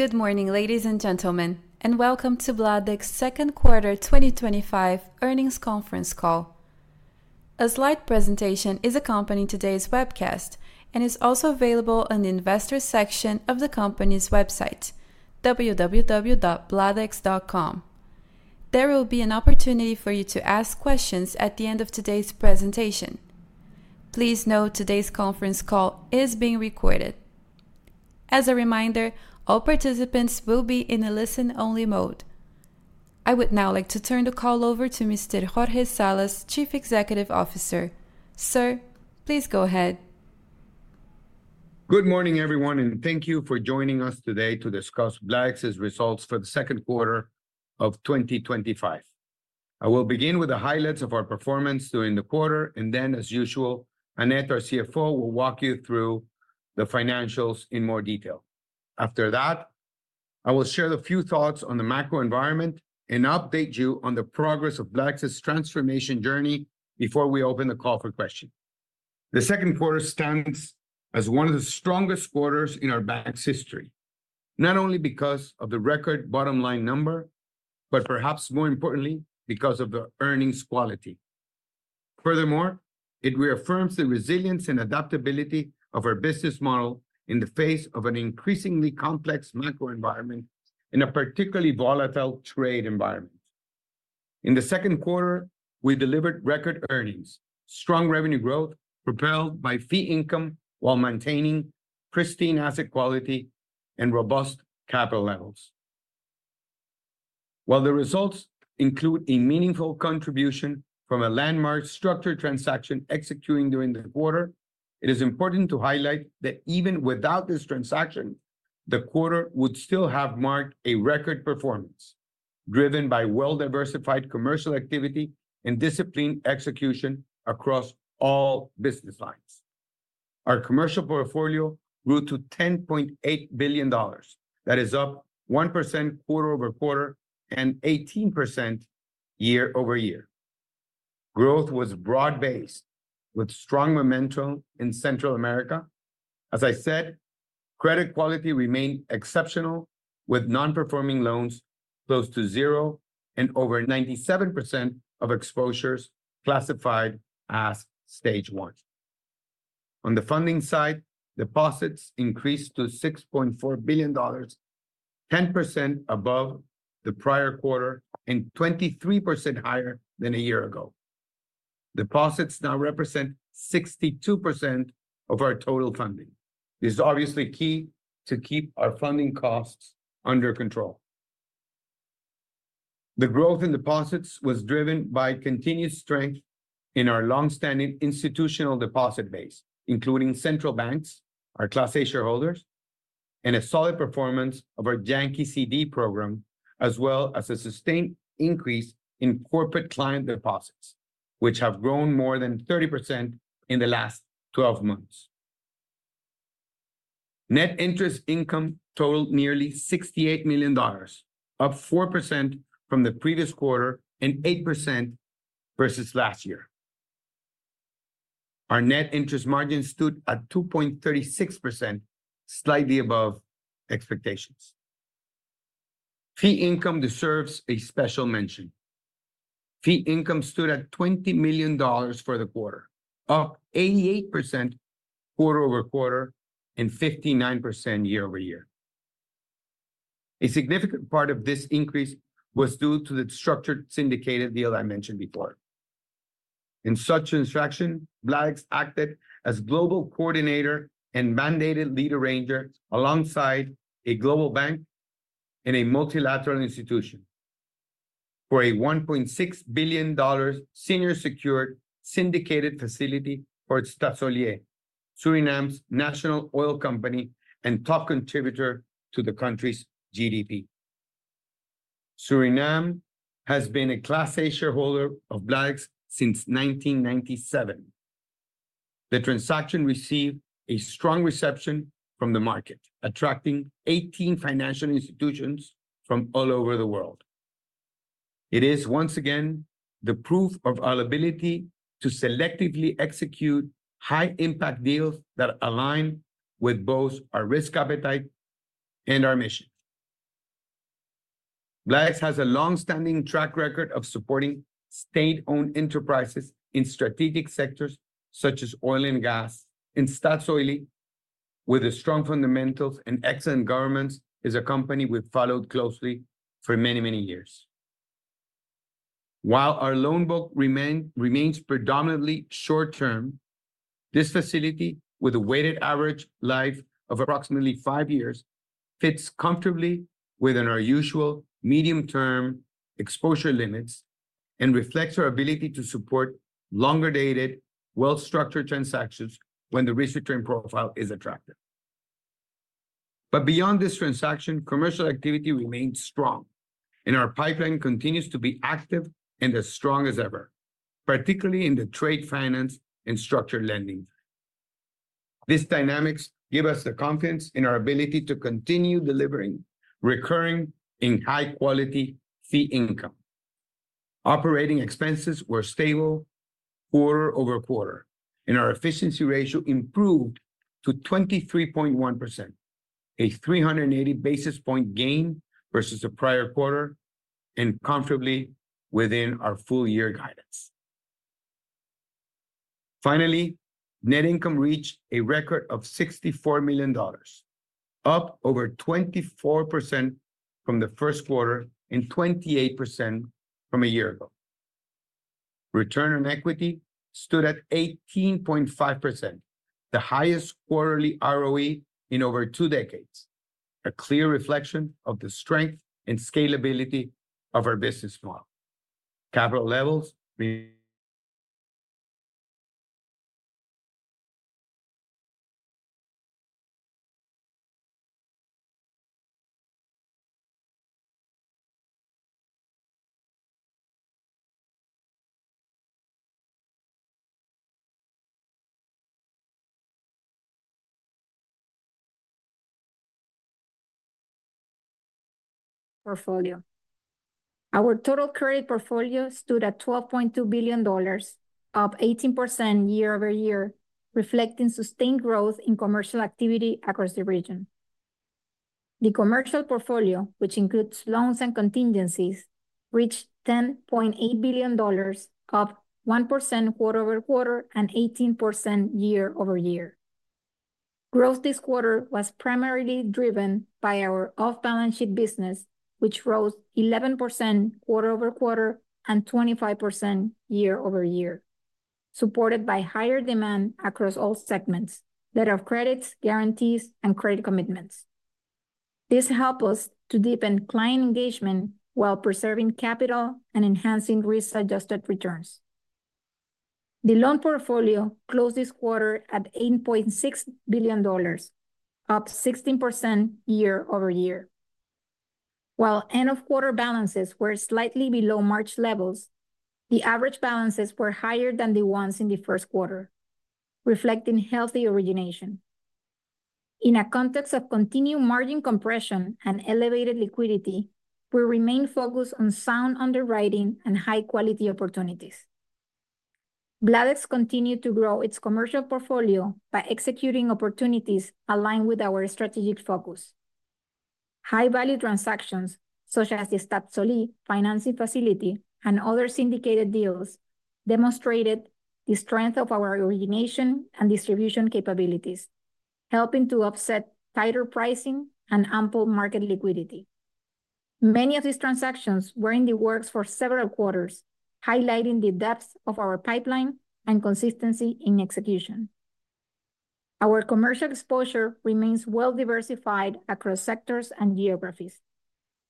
Good morning, ladies and gentlemen, and welcome to Bladex's Second Quarter 2025 Earnings Conference Call. A slide presentation is accompanying today's webcast and is also available on the Investors section of the company's website, www.bladex.com. There will be an opportunity for you to ask questions at the end of today's presentation. Please note today's conference call is being recorded. As a reminder, all participants will be in a listen-only mode. I would now like to turn the call over to Mr. Jorge Salas, Chief Executive Officer. Sir, please go ahead. Good morning, everyone, and thank you for joining us today to discuss Badex's results for the second quarter of 2025. I will begin with the highlights of our performance during the quarter, and then, as usual, Annette, our CFO, will walk you through the financials in more detail. After that, I will share a few thoughts on the macro environment and update you on the progress of BLADEX's transformation journey before we open the call for questions. The second quarter stands as one of the strongest quarters in our BLADEX's history, not only because of the record bottom line number, but perhaps more importantly, because of the earnings quality. Furthermore, it reaffirms the resilience and adaptability of our business model in the face of an increasingly complex macro environment and a particularly volatile trade environment. In the second quarter, we delivered record earnings, strong revenue growth propelled by fee income while maintaining pristine asset quality and robust capital levels. While the results include a meaningful contribution from a landmark structured transaction executed during the quarter, it is important to highlight that even without this transaction, the quarter would still have marked a record performance driven by well-diversified commercial activity and disciplined execution across all business lines. Our commercial portfolio grew to $10.8 billion. That is up 1% quarter over quarter and 18% year-over -year. Growth was broad-based, with strong momentum in Central America. As I said, credit quality remained exceptional, with non-performing loans close to zero and over 97% of exposures classified as Stage 1. On the funding side, deposits increased to $6.4 billion, 10% above the prior quarter and 23% higher than a year ago. Deposits now represent 62% of our total funding. This is obviously key to keep our funding costs under control. The growth in deposits was driven by continued strength in our longstanding institutional deposit base, including Central Banks, our Class A shareholders, and a solid performance of our JANKI CD program, as well as a sustained increase in corporate client deposits, which have grown more than 30% in the last 12 months. Net interest income totaled nearly $68 million, up 4% from the previous quarter and 8% versus last year. Our net interest margin stood at 2.36%, slightly above expectations. Fee income deserves a special mention. Fee income stood at $20 million for the quarter, up 88% quarter over quarter and 59% year-over-year. A significant part of this increase was due to the structured syndicated deal I mentioned before. In such a transaction, BLADEX acted as global coordinator and mandated lead arranger alongside a global bank and a multilateral institution for a $1.6 billion senior-secured syndicated facility for Staatsolie Suriname's national oil company and top contributor to the country's GDP. Suriname has been a Class A shareholder of BLADEX since 1997. The transaction received a strong reception from the market, attracting 18 financial institutions from all over the world. It is once again the proof of our ability to selectively execute high-impact deals that align with both our risk appetite and our mission. BLADEX has a longstanding track record of supporting state-owned enterprises in strategic sectors such as oil and gas, and Staatsolie with strong fundamentals and excellent governance is a company we've followed closely for many, many years. While our loan book remains predominantly short-term, this facility, with a weighted average life of approximately five years, fits comfortably within our usual medium-term exposure limits and reflects our ability to support longer-dated, well-structured transactions when the risk return profile is attractive. Beyond this transaction, commercial activity remains strong, and our pipeline continues to be active and as strong as ever, particularly in the trade finance and structured lending side. These dynamics give us the confidence in our ability to continue delivering recurring and high-quality fee income. Operating expenses were stable quarter over quarter, and our efficiency ratio improved to 23.1%, a 380 basis point gain versus the prior quarter, and comfortably within our full-year guidance. Finally, net income reached a record of $64 million, up over 24% from the first quarter and 28% from a year ago. Return on equity stood at 18.5%, the highest quarterly ROE in over two decades, a clear reflection of the strength and scalability of our business model. Capital levels remain... Portfolio. Our total current portfolio stood at $12.2 billion, up 18% year-over-year, reflecting sustained growth in commercial activity across the region. The commercial portfolio, which includes loans and contingencies, reached $10.8 billion, up 1% quarter over quarter and 18% year-over-year. Growth this quarter was primarily driven by our off-balance sheet business, which rose 11% quarter over quarter and 25% year-over-year, supported by higher demand across all segments that are credits, guarantees, and credit commitments. This helped us to deepen client engagement while preserving capital and enhancing risk-adjusted returns. The loan portfolio closed this quarter at $8.6 billion, up 16% year-over-year. While end-of-quarter balances were slightly below March levels, the average balances were higher than the ones in the first quarter, reflecting healthy origination. In a context of continued margin compression and elevated liquidity, we remain focused on sound underwriting and high-quality opportunities. BLADEX continued to grow its commercial portfolio by executing opportunities aligned with our strategic focus. High-value transactions, such as the Tasselier financing facility and other syndicated deals, demonstrated the strength of our origination and distribution capabilities, helping to offset tighter pricing and ample market liquidity. Many of these transactions were in the works for several quarters, highlighting the depth of our pipeline and consistency in execution. Our commercial exposure remains well-diversified across sectors and geographies,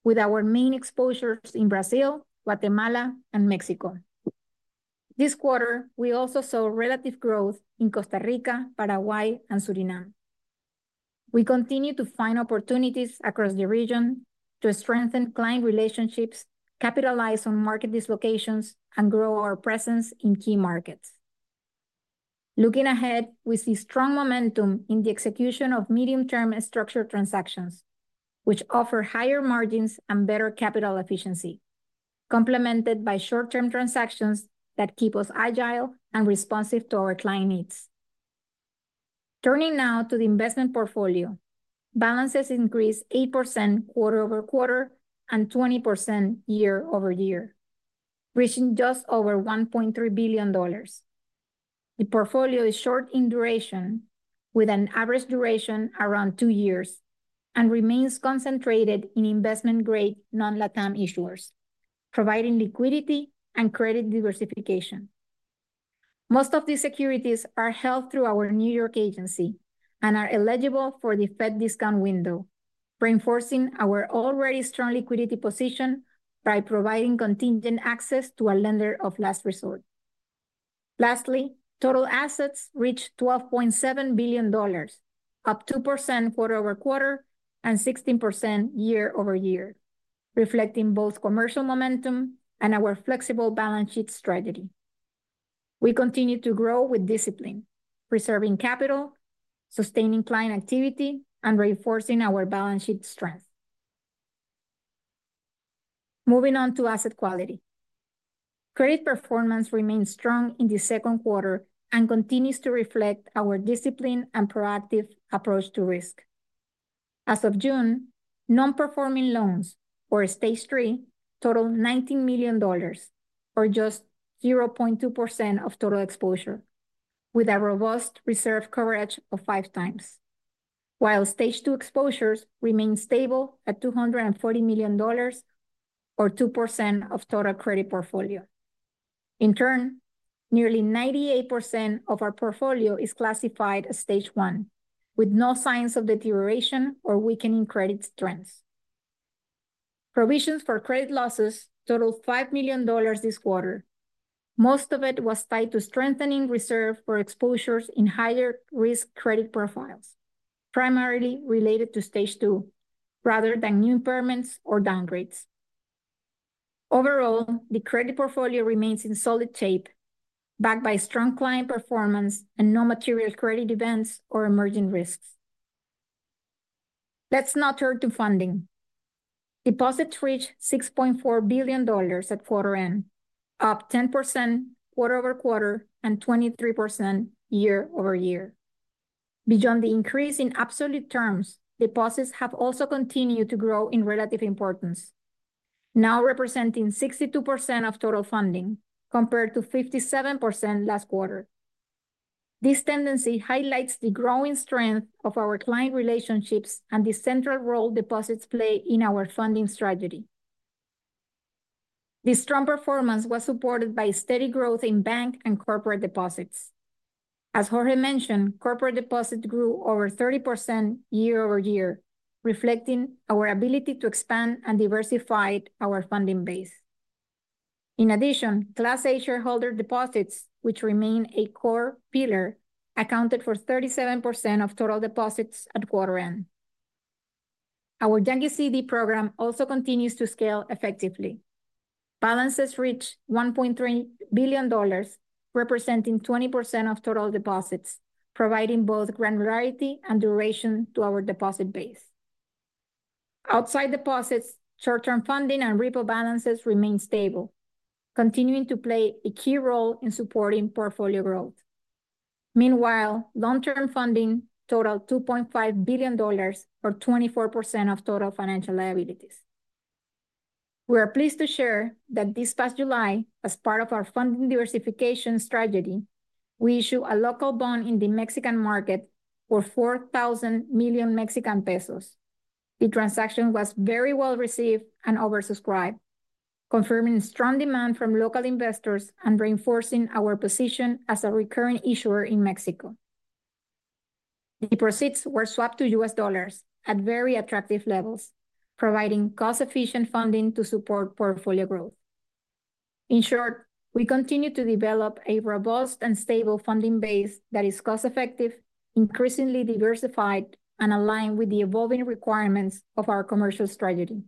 with our main exposures in Brazil, Guatemala, and Mexico. This quarter, we also saw relative growth in Costa Rica, Paraguay, and Suriname. We continue to find opportunities across the region to strengthen client relationships, capitalize on market dislocations, and grow our presence in key markets. Looking ahead, we see strong momentum in the execution of medium-term and structured transactions, which offer higher margins and better capital efficiency, complemented by short-term transactions that keep us agile and responsive to our client needs. Turning now to the investment portfolio, balances increased 8% quarter over quarter and 20% year-over-year, reaching just over $1.3 billion. The portfolio is short in duration, with an average duration around two years, and remains concentrated in investment-grade non-Latin issuers, providing liquidity and credit diversification. Most of these securities are held through our New York agency and are eligible for the Fed discount window, reinforcing our already strong liquidity position by providing contingent access to a lender of last resort. Lastly, total assets reached $12.7 billion, up 2% quarter over quarter and 16% year-over-year, reflecting both commercial momentum and our flexible balance sheet strategy. We continue to grow with discipline, preserving capital, sustaining client activity, and reinforcing our balance sheet strength. Moving on to asset quality. Credit performance remains strong in the second quarter and continues to reflect our discipline and proactive approach to risk. As of June, non-performing loans, or stage 3, totaled $19 million, or just 0.2% of total exposure, with a robust reserve coverage of five times, while stage 2 exposures remain stable at $240 million, or 2% of total credit portfolio. In turn, nearly 98% of our portfolio is classified as stage 1, with no signs of deterioration or weakening credit trends. Provisions for credit losses totaled $5 million this quarter. Most of it was tied to strengthening reserve for exposures in higher-risk credit profiles, primarily related to stage 2, rather than new impairments or downgrades. Overall, the credit portfolio remains in solid shape, backed by strong client performance and no material credit events or emerging risks. Let's now turn to funding. Deposits reached $6.4 billion at quarter end, up 10% quarter over quarter and 23% year-over-year. Beyond the increase in absolute terms, deposits have also continued to grow in relative importance, now representing 62% of total funding, compared to 57% last quarter. This tendency highlights the growing strength of our client relationships and the central role deposits play in our funding strategy. The strong performance was supported by steady growth in bank and corporate deposits. As Jorge mentioned, corporate deposits grew over 30% year-over-year, reflecting our ability to expand and diversify our funding base. In addition, Class A shareholder deposits, which remain a core pillar, accounted for 37% of total deposits at quarter end. Our JANKI CD program also continues to scale effectively. Balances reached $1.3 billion, representing 20% of total deposits, providing both granularity and duration to our deposit base. Outside deposits, short-term funding and repo balances remain stable, continuing to play a key role in supporting portfolio growth. Meanwhile, long-term funding totaled $2.5 billion, or 24% of total financial liabilities. We are pleased to share that this past July, as part of our funding diversification strategy, we issued a local bond in the Mexican market for $4,000 million Mexican pesos. The transaction was very well received and oversubscribed, confirming strong demand from local investors and reinforcing our position as a recurring issuer in Mexico. The proceeds were swapped to US dollars at very attractive levels, providing cost-efficient funding to support portfolio growth. In short, we continue to develop a robust and stable funding base that is cost-effective, increasingly diversified, and aligned with the evolving requirements of our commercial strategy.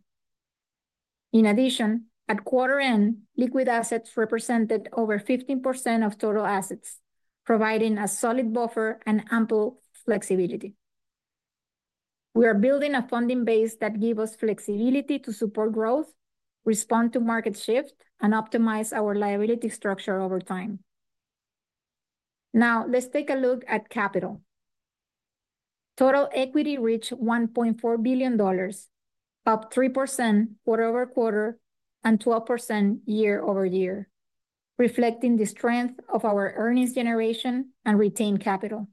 In addition, at quarter end, liquid assets represented over 15% of total assets, providing a solid buffer and ample flexibility. We are building a funding base that gives us flexibility to support growth, respond to market shifts, and optimize our liability structure over time. Now, let's take a look at capital. Total equity reached $1.4 billion, up 3% quarter over quarter and 12% year-over-year, reflecting the strength of our earnings generation and retained capital.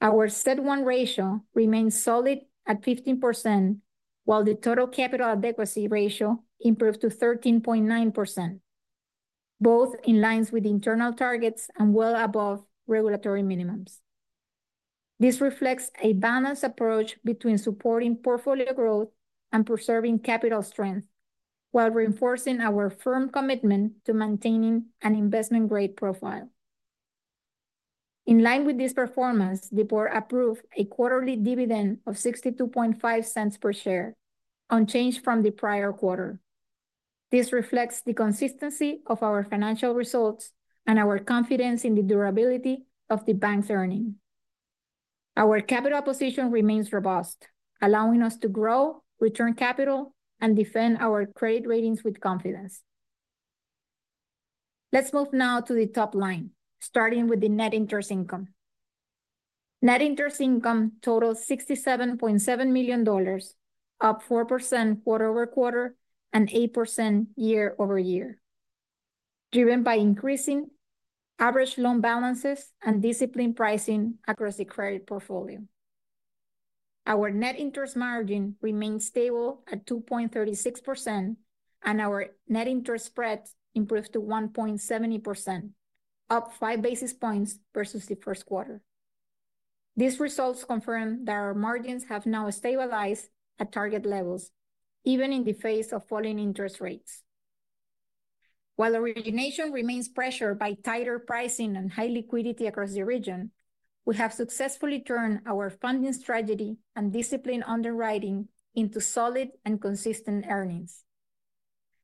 Our CET1 ratio remains solid at 15%, while the total capital adequacy ratio improved to 13.9%, both in line with internal targets and well above regulatory minimums. This reflects a balanced approach between supporting portfolio growth and preserving capital strength, while reinforcing our firm commitment to maintaining an investment-grade profile. In line with this performance, the board approved a quarterly dividend of $0.6250 per share, unchanged from the prior quarter. This reflects the consistency of our financial results and our confidence in the durability of the bank's earnings. Our capital position remains robust, allowing us to grow, return capital, and defend our credit ratings with confidence. Let's move now to the top line, starting with the net interest income. Net interest income totaled $67.7 million, up 4% quarter over quarter and 8% year-over-year, driven by increasing average loan balances and disciplined pricing across the credit portfolio. Our net interest margin remains stable at 2.36%, and our net interest spread improved to 1.70%, up five basis points versus the first quarter. These results confirm that our margins have now stabilized at target levels, even in the face of falling interest rates. While origination remains pressured by tighter pricing and high liquidity across the region, we have successfully turned our funding strategy and disciplined underwriting into solid and consistent earnings.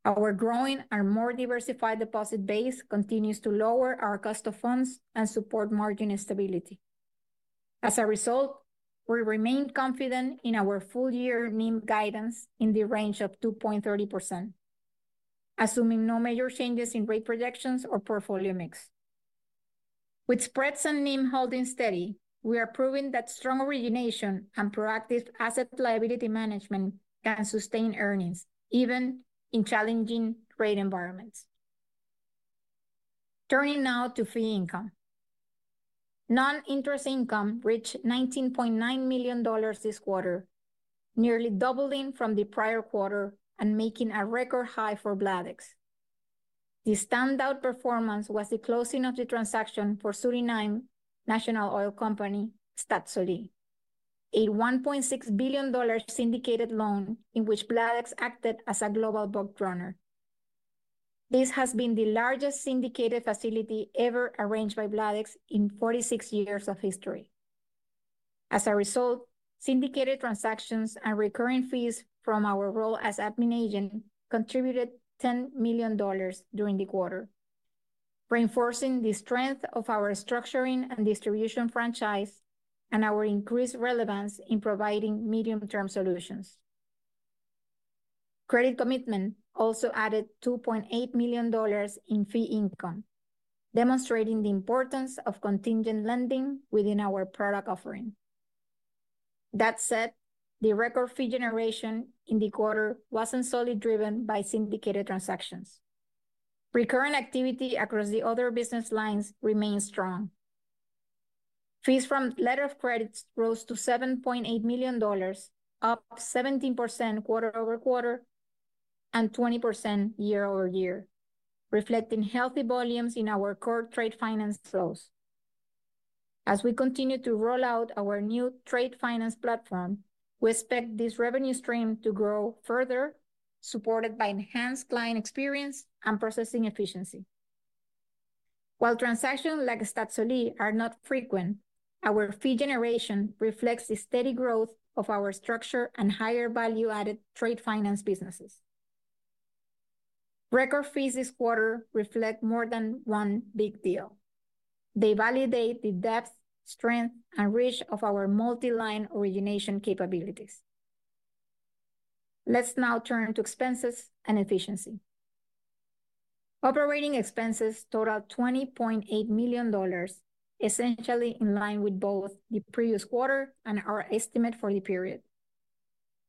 Our growing and more diversified deposit base continues to lower our cost of funds and support margin stability. As a result, we remain confident in our full-year NIM guidance in the range of 2.30%, assuming no major changes in rate projections or portfolio mix. With spreads and NIM holding steady, we are proving that strong origination and proactive asset liability management can sustain earnings, even in challenging trade environments. Turning now to fee income. Non-interest income reached $19.9 million this quarter, nearly doubling from the prior quarter and making a record high for BLADEX. The standout performance was the closing of the transaction for Staatsolie National Oil Company Suriname, a $1.6 billion syndicated loan in which BLADEX acted as a global book runner. This has been the largest syndicated facility ever arranged by BLADEX in 46 years of history. As a result, syndications and recurring fees from our role as admin agent contributed $10 million during the quarter, reinforcing the strength of our structuring and distribution franchise and our increased relevance in providing medium-term solutions. Credit commitment also added $2.8 million in fee income, demonstrating the importance of contingent lending within our product offering. That said, the record fee generation in the quarter wasn't solely driven by syndications. Recurring activity across the other business lines remains strong. Fees from letters of credit rose to $7.8 million, up 17% quarter over quarter and 20% year-over-year, reflecting healthy volumes in our core trade finance flows. As we continue to roll out our new digital trade finance platform, we expect this revenue stream to grow further, supported by enhanced client experience and processing efficiency. While transactions like the Staatsolie are not frequent, our fee generation reflects the steady growth of our structured and higher value-added trade finance businesses. Record fees this quarter reflect more than one big deal. They validate the depth, strength, and reach of our multiline origination capabilities. Let's now turn to expenses and efficiency. Operating expenses totaled $20.8 million, essentially in line with both the previous quarter and our estimate for the period.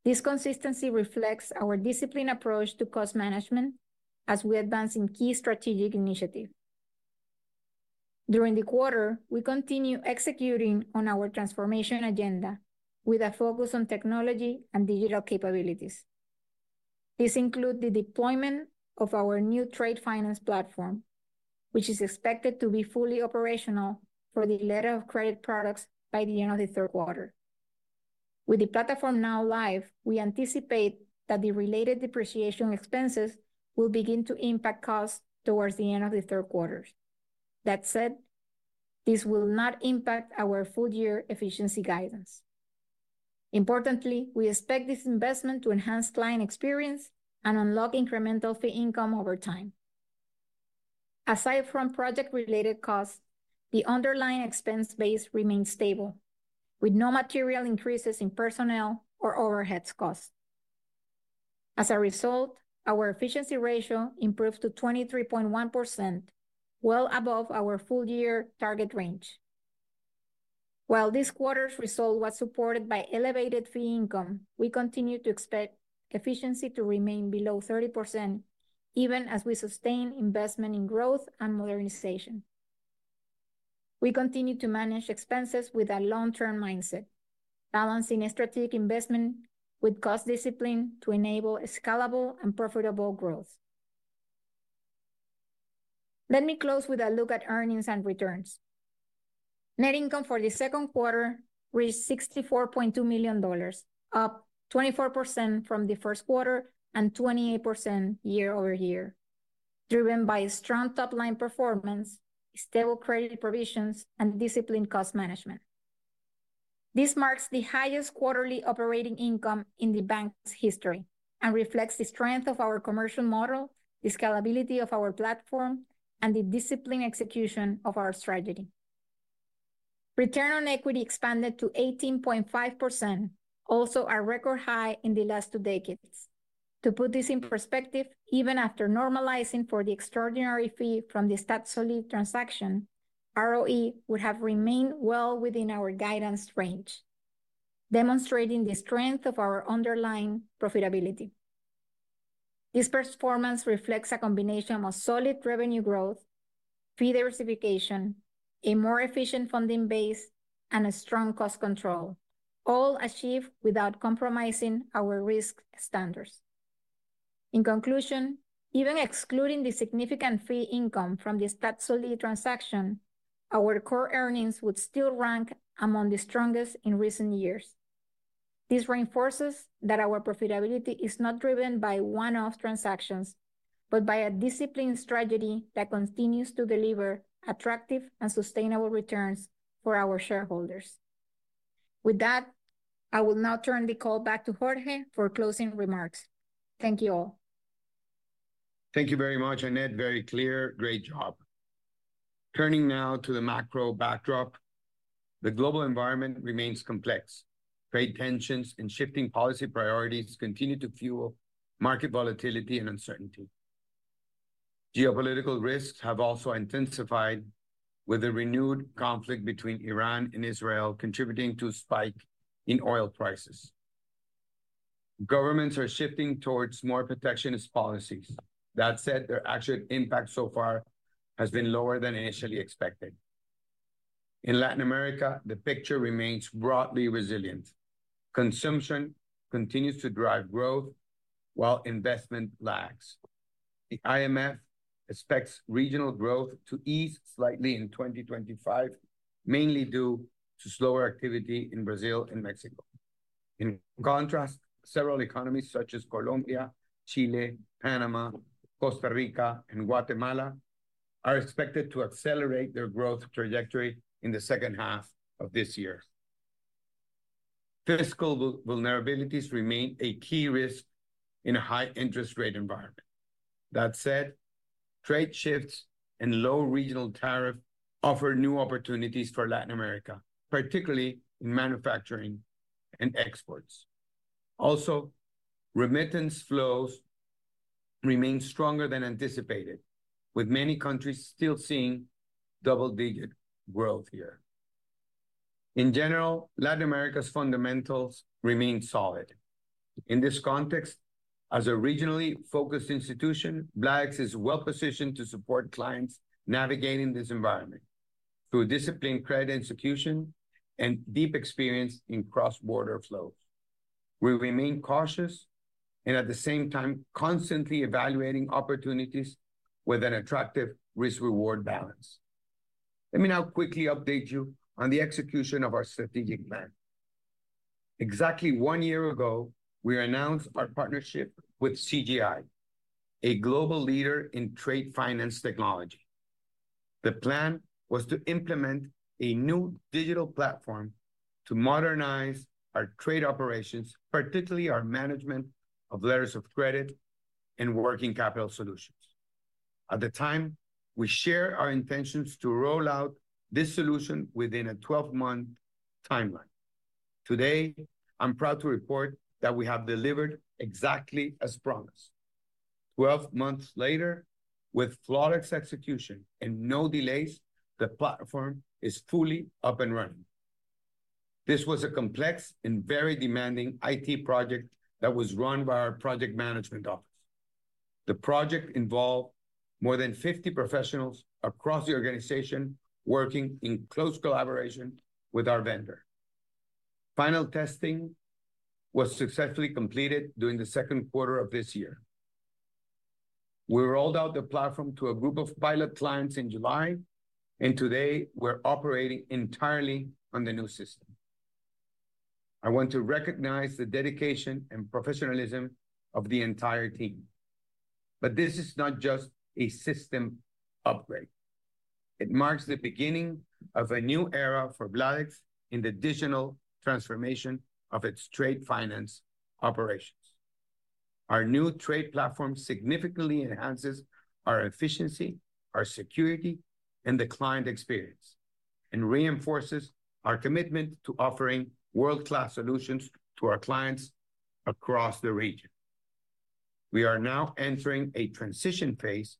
This consistency reflects our disciplined approach to cost management as we advance in key strategic initiatives. During the quarter, we continue executing on our transformation agenda with a focus on technology and digital capabilities. This includes the deployment of our new digital trade finance platform, which is expected to be fully operational for the letters of credit products by the end of the third quarter. With the platform now live, we anticipate that the related depreciation expenses will begin to impact costs towards the end of the third quarter. That said, this will not impact our full-year efficiency guidance. Importantly, we expect this investment to enhance client experience and unlock incremental fee income over time. Aside from project-related costs, the underlying expense base remains stable, with no material increases in personnel or overhead costs. As a result, our efficiency ratio improved to 23.1%, well above our full-year target range. While this quarter's result was supported by elevated fee income, we continue to expect efficiency to remain below 30%, even as we sustain investment in growth and modernization. We continue to manage expenses with a long-term mindset, balancing strategic investment with cost discipline to enable scalable and profitable growth. Let me close with a look at earnings and returns. Net income for the second quarter reached $64.2 million, up 24% from the first quarter and 28% year-over-year, driven by strong top-line performance, stable credit provisions, and disciplined cost management. This marks the highest quarterly operating income in the bank's history and reflects the strength of our commercial model, the scalability of our platform, and the disciplined execution of our strategy. Return on equity expanded to 18.5%, also a record high in the last two decades. To put this in perspective, even after normalizing for the extraordinary fee from the Staatsolie facility transaction, ROE would have remained well within our guidance range, demonstrating the strength of our underlying profitability. This performance reflects a combination of solid revenue growth, fee diversification, a more efficient funding base, and strong cost control, all achieved without compromising our risk standards. In conclusion, even excluding the significant fee income from the syndicated facility transaction, our core earnings would still rank among the strongest in recent years. This reinforces that our profitability is not driven by one-off transactions, but by a disciplined strategy that continues to deliver attractive and sustainable returns for our shareholders. With that, I will now turn the call back to Jorge for closing remarks. Thank you all. Thank you very much, Annette. Very clear. Great job. Turning now to the macro backdrop, the global environment remains complex. Trade tensions and shifting policy priorities continue to fuel market volatility and uncertainty. Geopolitical risks have also intensified, with the renewed conflict between Iran and Israel contributing to a spike in oil prices. Governments are shifting towards more protectionist policies. That said, their actual impact so far has been lower than initially expected. In Latin America, the picture remains broadly resilient. Consumption continues to drive growth, while investment lags. The IMF expects regional growth to ease slightly in 2025, mainly due to slower activity in Brazil and Mexico. In contrast, several economies such as Colombia, Chile, Panama, Costa Rica, and Guatemala are expected to accelerate their growth trajectory in the second half of this year. Fiscal vulnerabilities remain a key risk in a high-interest rate environment. That said, trade shifts and low regional tariffs offer new opportunities for Latin America, particularly in manufacturing and exports. Also, remittance flows remain stronger than anticipated, with many countries still seeing double-digit growth here. In general, Latin America's fundamentals remain solid. In this context, as a regionally focused institution, BLADEX is well-positioned to support clients navigating this environment through disciplined credit execution and deep experience in cross-border flows. We remain cautious and, at the same time, constantly evaluating opportunities with an attractive risk-reward balance. Let me now quickly update you on the execution of our strategic plan. Exactly one year ago, we announced our partnership with CGI, a global leader in trade finance technology. The plan was to implement a new digital platform to modernize our trade operations, particularly our management of letters of credit and working capital solutions. At the time, we shared our intentions to roll out this solution within a 12-month timeline. Today, I'm proud to report that we have delivered exactly as promised. Twelve months later, with flawless execution and no delays, the platform is fully up and running. This was a complex and very demanding IT project that was run by our project management office. The project involved more than 50 professionals across the organization, working in close collaboration with our vendor. Final testing was successfully completed during the second quarter of this year. We rolled out the platform to a group of pilot clients in July, and today, we're operating entirely on the new system. I want to recognize the dedication and professionalism of the entire team. This is not just a system upgrade. It marks the beginning of a new era for BLADEX in the digital transformation of its trade finance operations. Our new digital trade finance platform significantly enhances our efficiency, our security, and the client experience, and reinforces our commitment to offering world-class solutions to our clients across the region. We are now entering a transition phase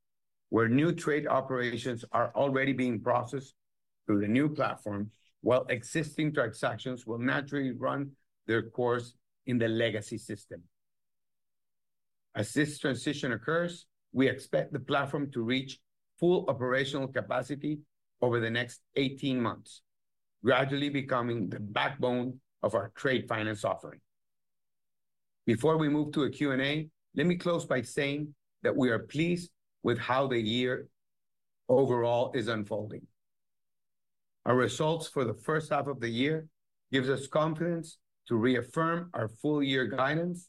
where new trade operations are already being processed through the new platform, while existing transactions will naturally run their course in the legacy system. As this transition occurs, we expect the platform to reach full operational capacity over the next 18 months, gradually becoming the backbone of our trade finance offering. Before we move to a Q&A, let me close by saying that we are pleased with how the year overall is unfolding. Our results for the first half of the year give us confidence to reaffirm our full-year guidance,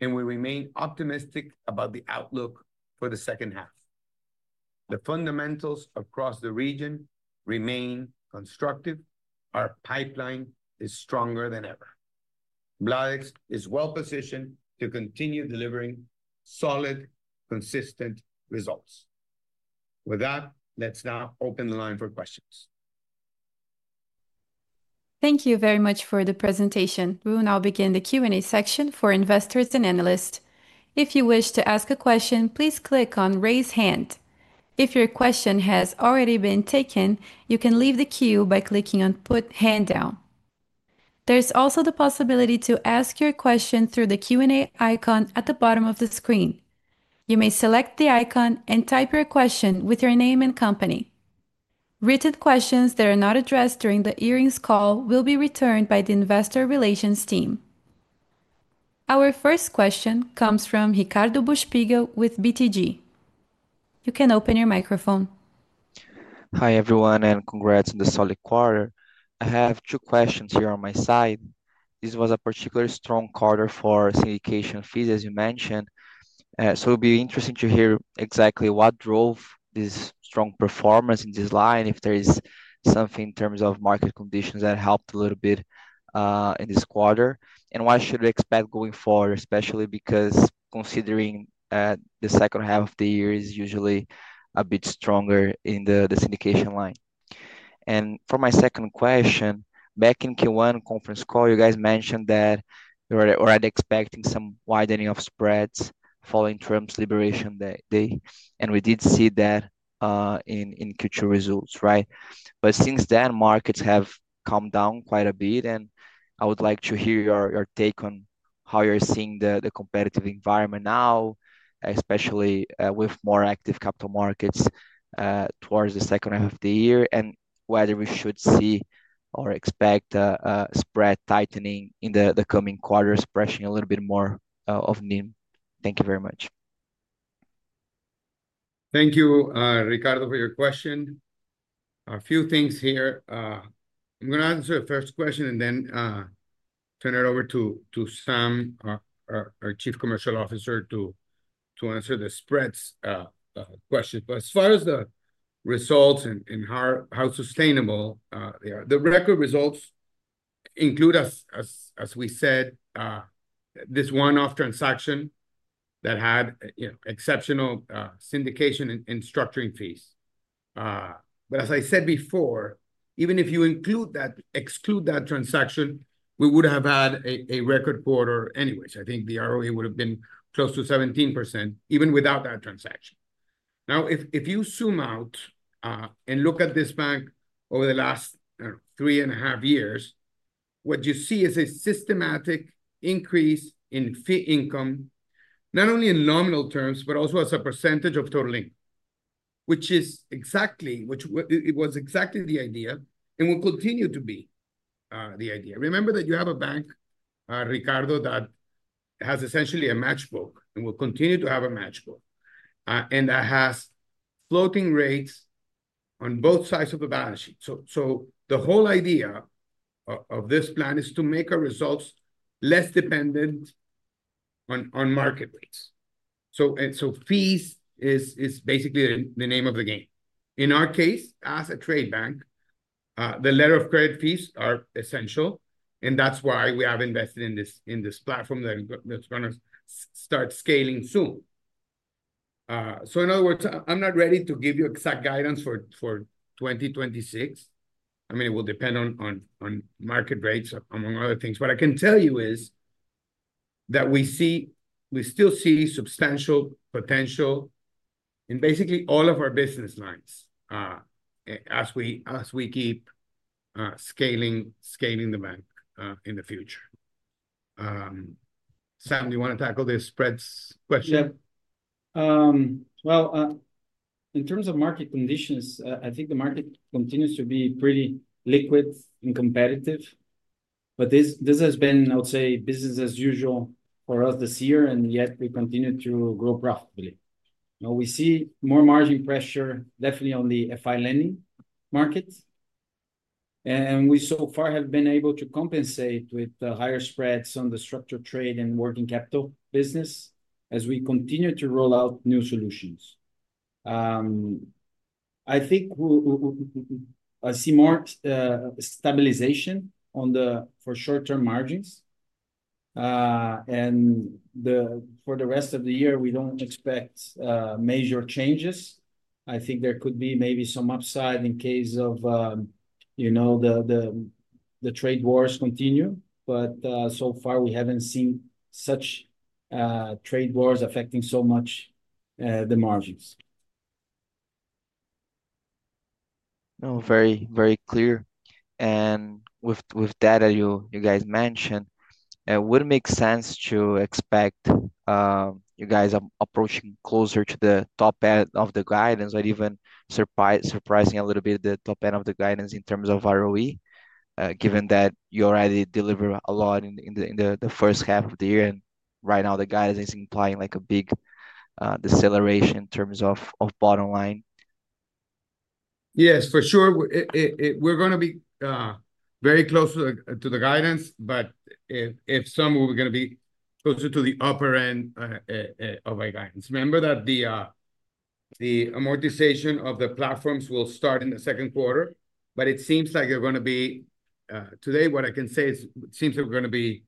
and we remain optimistic about the outlook for the second half. The fundamentals across the region remain constructive. Our pipeline is stronger than ever. BLADEX is well-positioned to continue delivering solid, consistent results. With that, let's now open the line for questions. Thank you very much for the presentation. We will now begin the Q&A section for investors and analysts. If you wish to ask a question, please click on "Raise Hand." If your question has already been taken, you can leave the queue by clicking on "Put Hand Down." There's also the possibility to ask your question through the Q&A icon at the bottom of the screen. You may select the icon and type your question with your name and company. Written questions that are not addressed during the earnings call will be returned by the Investor Relations team. Our first question comes from Ricardo Buchpiguel with BTG. You can open your microphone. Hi, everyone, and congrats on the solid quarter. I have two questions here on my side. This was a particularly strong quarter for syndication fees, as you mentioned. It would be interesting to hear exactly what drove this strong performance in this line, if there is something in terms of market conditions that helped a little bit in this quarter, and what should we expect going forward, especially because, considering the second half of the year is usually a bit stronger in the syndication line. For my second question, back in Q1 conference call, you guys mentioned that we were already expecting some widening of spreads following Trump's liberation day, and we did see that in Q2 results, right? Since then, markets have come down quite a bit, and I would like to hear your take on how you're seeing the competitive environment now, especially with more active capital markets towards the second half of the year, and whether we should see or expect a spread tightening in the coming quarters, pressing a little bit more of NIM. Thank you very much. Thank you, Ricardo, for your question. A few things here. I'm going to answer the first question and then turn it over to Sam, our Chief Commercial Officer, to answer the spreads question. As far as the results and how sustainable they are, the record results include, as we said, this one-off transaction that had exceptional syndication and structuring fees. As I said before, even if you exclude that transaction, we would have had a record quarter anyways. I think the ROE would have been close to 17% even without that transaction. Now, if you zoom out and look at this bank over the last three and a half years, what you see is a systematic increase in fee income, not only in nominal terms, but also as a percentage of total income, which is exactly what it was exactly the idea and will continue to be the idea. Remember that you have a bank, Ricardo, that has essentially a matchbook and will continue to have a matchbook, and that has floating rates on both sides of the balance sheet. The whole idea of this plan is to make our results less dependent on market rates. Fees is basically the name of the game. In our case, as a trade bank, the letter of credit fees are essential, and that's why we have invested in this platform that's going to start scaling soon. In other words, I'm not ready to give you exact guidance for 2026. It will depend on market rates, among other things. What I can tell you is that we still see substantial potential in basically all of our business lines as we keep scaling the bank in the future. Sam, do you want to tackle this spreads question? In terms of market conditions, I think the market continues to be pretty liquid and competitive. This has been, I would say, business as usual for us this year, and yet we continue to grow profitably. We see more margin pressure, definitely on the FI lending markets. We so far have been able to compensate with the higher spreads on the structured trade and working capital business as we continue to roll out new solutions. I think I see marked stabilization for short-term margins. For the rest of the year, we don't expect major changes. I think there could be maybe some upside in case, you know, the trade wars continue. So far, we haven't seen such trade wars affecting so much the margins. Oh, very, very clear. With the data you guys mentioned, it would make sense to expect you guys approaching closer to the top end of the guidance or even surprising a little bit the top end of the guidance in terms of ROE, given that you already deliver a lot in the first half of the year. Right now, the guidance is implying a big deceleration in terms of bottom line. Yes, for sure. We're going to be very close to the guidance, but if some, we're going to be closer to the upper end of our guidance. Remember that the amortization of the platforms will start in the second quarter, but it seems like they're going to be, today, what I can say is it seems like we're going to be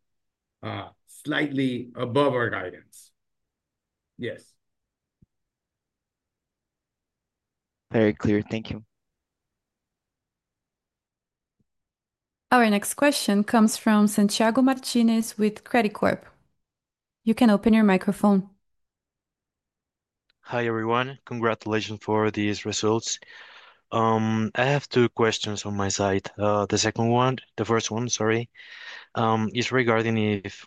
slightly above our guidance. Yes. Very clear. Thank you. Our next question comes from Santiago Martinez with Credit Corp. You can open your microphone. Hi, everyone. Congratulations for these results. I have two questions on my side. The first one is regarding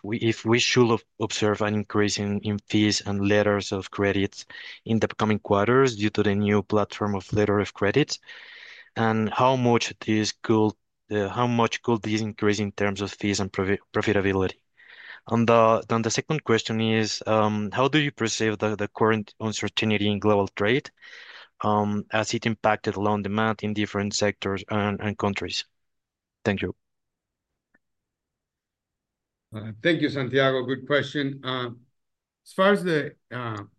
if we should observe an increase in fees and letters of credit in the coming quarters due to the new platform of letters of credit. How much could this increase in terms of fees and profitability? The second question is, how do you perceive the current uncertainty in global trade, has it impacted loan demand in different sectors and countries? Thank you. Thank you, Santiago. Good question. As far as the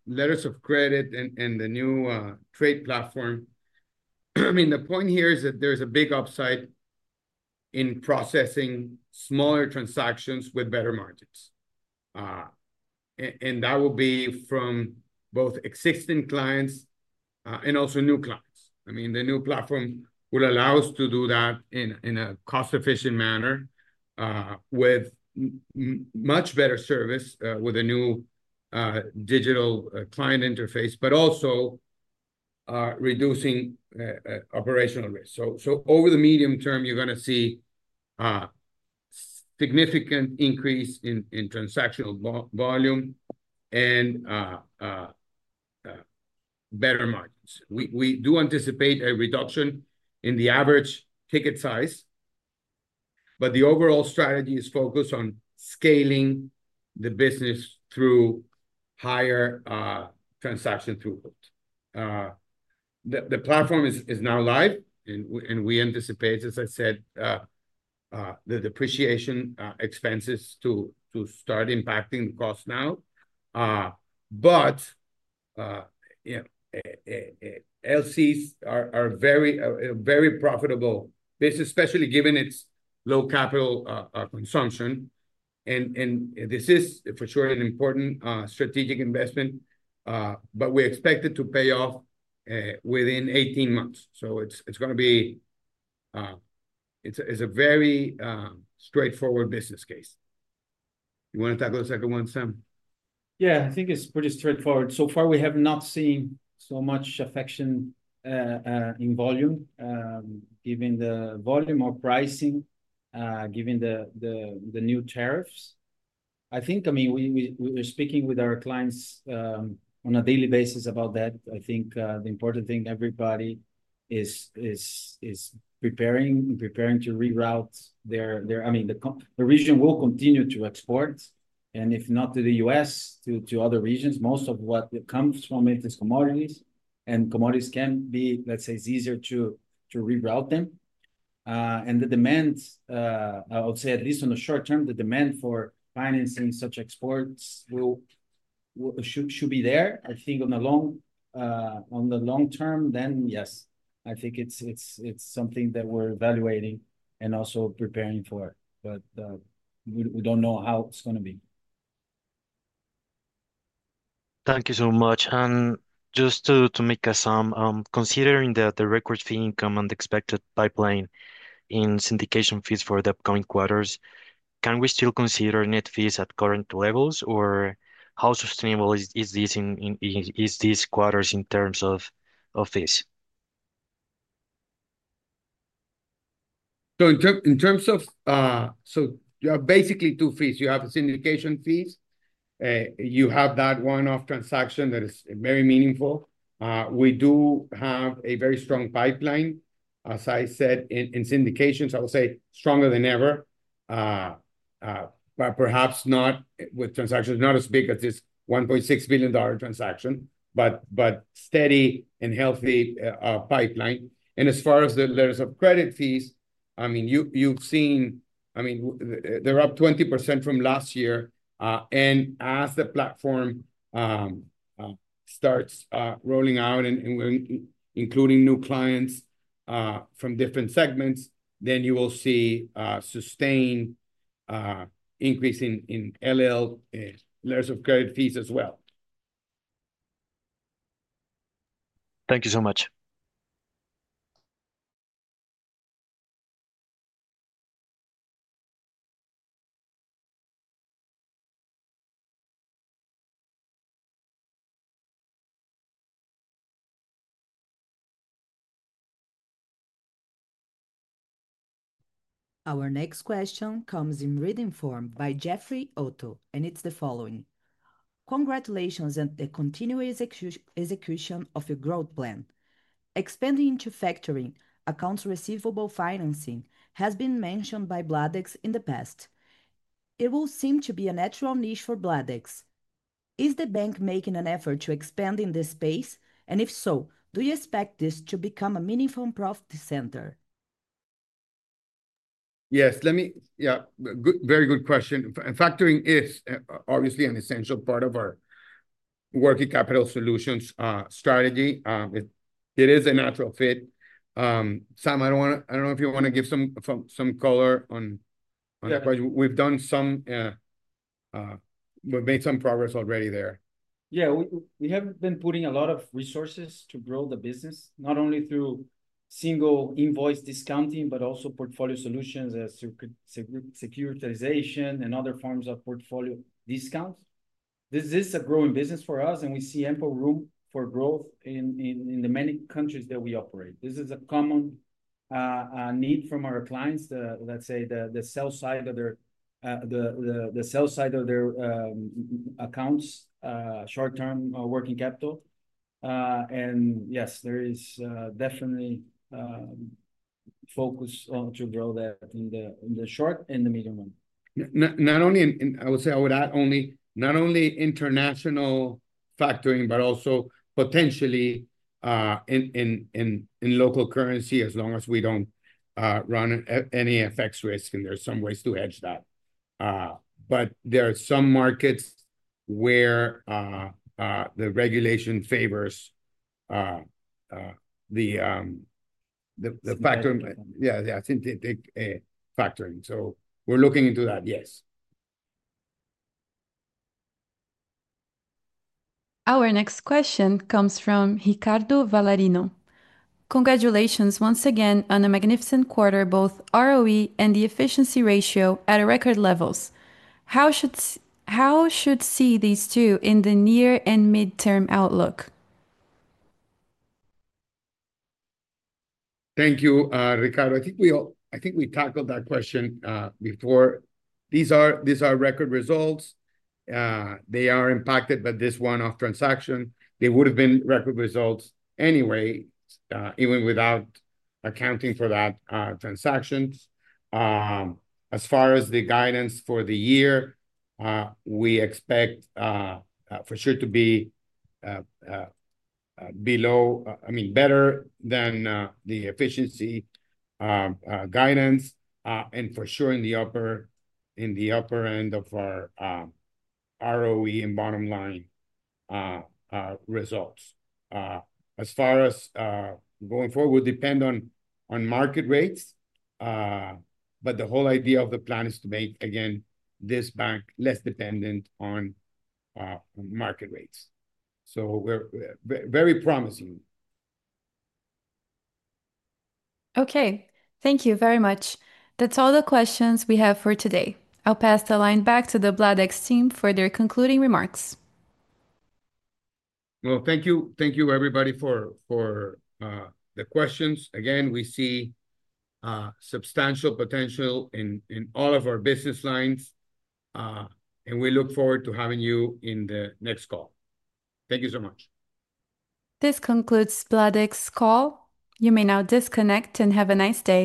letters of credit and the new trade platform, the point here is that there's a big upside in processing smaller transactions with better margins. That will be from both existing clients and also new clients. The new platform will allow us to do that in a cost-efficient manner, with much better service, with a new digital client interface, and also reducing operational risk. Over the medium term, you're going to see a significant increase in transactional volume and better margins. We do anticipate a reduction in the average ticket size, but the overall strategy is focused on scaling the business through higher transaction throughput. The platform is now live, and we anticipate, as I said, the depreciation expenses to start impacting the cost now. Letters of credit are very, very profitable, especially given its low capital consumption. This is for sure an important strategic investment, and we expect it to pay off within 18 months. It's going to be a very straightforward business case. You want to tackle the second one, Sam? I think it's pretty straightforward. So far, we have not seen so much affection in volume or pricing, given the new tariffs. I mean, we're speaking with our clients on a daily basis about that. The important thing is everybody is preparing and preparing to reroute their, I mean, the region will continue to export, and if not to the U.S., to other regions. Most of what comes from it is commodities, and commodities can be, let's say, it's easier to reroute them. The demand, I would say at least in the short term, the demand for financing such exports should be there. I think in the long term, then yes, it's something that we're evaluating and also preparing for. We don't know how it's going to be. Thank you so much. Just to make a summary, considering the record fee income and the expected pipeline in syndication fees for the upcoming quarters, can we still consider net fees at current levels, or how sustainable is this in these quarters in terms of fees? In terms of, you have basically two fees. You have syndication fees, you have that one-off transaction that is very meaningful. We do have a very strong pipeline, as I said, in syndications. I would say stronger than ever, but perhaps not with transactions as big as this $1.6 billion transaction, but steady and healthy pipeline. As far as the letters of credit fees, I mean, you've seen they're up 20% from last year. As the platform starts rolling out and we're including new clients from different segments, then you will see sustained increase in letters of credit fees as well. Thank you so much. Our next question comes in written form by Jeffrey Otto, and it's the following. Congratulations on the continuous execution of your growth plan. Expanding into factoring, accounts receivable financing has been mentioned by BLADEX in the past. It will seem to be a natural niche for BLADEX. Is the bank making an effort to expand in this space? If so, do you expect this to become a meaningful profit center? Yes, very good question. Factoring is obviously an essential part of our working capital solutions strategy. It is a natural fit. Sam, I don't know if you want to give some color on, but we've done some, we've made some progress already there. Yeah, we haven't been putting a lot of resources to grow the business, not only through single invoice discounting, but also portfolio solutions as to securitization and other forms of portfolio discounts. This is a growing business for us, and we see ample room for growth in the many countries that we operate. This is a common need from our clients, the, let's say, the sell side of their accounts, short-term working capital. Yes, there is definitely focus on to grow that in the short and the medium run. Not only, I would add not only international factoring, but also potentially in local currency as long as we don't run any FX risk, and there's some ways to hedge that. There are some markets where the regulation favors the factoring. I think the factoring, so we're looking into that, yes. Our next question comes from Ricardo Valerino. Congratulations once again on a magnificent quarter, both ROE and the efficiency ratio at record levels. How should we see these two in the near and mid-term outlook? Thank you, Ricardo. I think we tackled that question before. These are record results. They are impacted by this one-off transaction. They would have been record results anyway, even without accounting for that transaction. As far as the guidance for the year, we expect, for sure, to be below, I mean, better than, the efficiency guidance, and for sure in the upper end of our ROE and bottom line results. As far as going forward, we depend on market rates, but the whole idea of the plan is to make, again, this bank less dependent on market rates. We're very promising. Okay. Thank you very much. That's all the questions we have for today. I'll pass the line back to the BLADEX team for their concluding remarks. Thank you, everybody, for the questions. Again, we see substantial potential in all of our business lines, and we look forward to having you in the next call. Thank you so much. This concludes BLADEX's call. You may now disconnect and have a nice day.